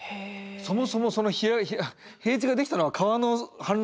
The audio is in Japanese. そもそもその平地ができたのは川の氾濫だったんですね。